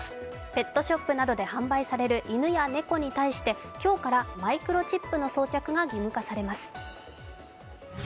ペットショップなどで販売される犬や猫に対して今日からマイクロチップの装着が義務化されます。